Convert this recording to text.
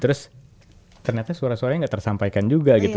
terus ternyata suara suaranya nggak tersampaikan juga gitu